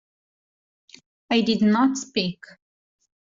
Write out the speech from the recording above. I did not speak.